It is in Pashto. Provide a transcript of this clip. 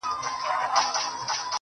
ډک گيلاسونه دي شرنگيږي، رېږدي بيا ميکده.